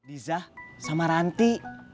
dijah sama ranti